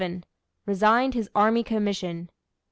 Resigned his army commission.